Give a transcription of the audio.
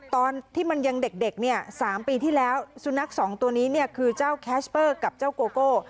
ตอนที่มันยังเด็กเนี่ย๓ปีที่แล้วสุนัขสองตัวนี้เนี่ยคือเจ้าแคชเปอร์กับเจ้าโกโก้